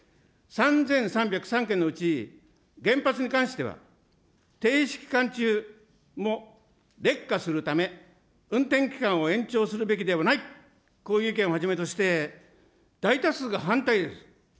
３３０３件のうち原発に関しては、停止期間中も劣化するため、運転期間を延長するべきではない、こういう意見をはじめとして、大多数が反対です。